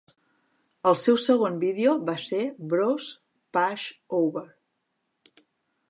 El seu segon vídeo va ser "Bros Push Over".